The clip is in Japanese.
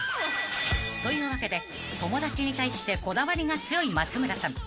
［というわけで友達に対してこだわりが強い松村さん］